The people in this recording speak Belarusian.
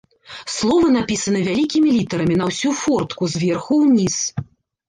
Словы напісаны вялікімі літарамі, на ўсю фортку, зверху ўніз.